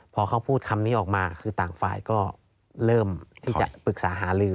พอเขาพูดคำนี้ออกมาคือต่างฝ่ายก็เริ่มที่จะปรึกษาหาลือ